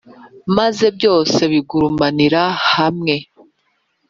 maze byose bigurumanire hamwe,